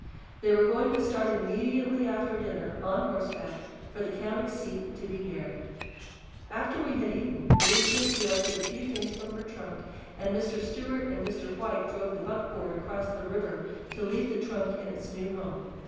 They were going to start immediately after dinner, on horseback, for the county seat, to be married. After we had eaten, Elizabeth selected a few things from her trunk, and Mr. Stewart and Mr. White drove the buckboard across the river to leave the trunk in its new home.